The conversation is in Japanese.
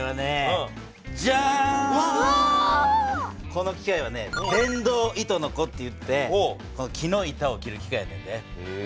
この機械はね「電動糸のこ」といって木の板を切る機械やねんで。